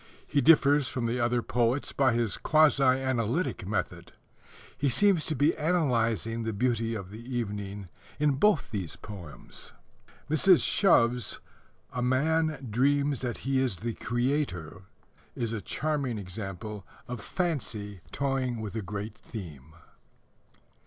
He differs from the other poets by his quasi analytic method. He seems to be analyzing the beauty of the evening in both these poems. Mrs. Shove's A Man Dreams that He is the Creator is a charming example of fancy toying with a great theme.